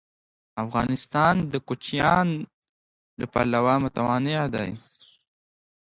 افغانستان د کوچیان له پلوه متنوع دی.